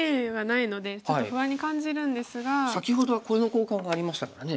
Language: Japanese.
先ほどはこの交換がありましたからね。